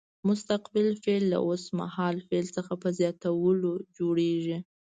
مستقبل فعل له اوس مهال فعل څخه په زیاتولو جوړیږي.